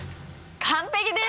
完璧です！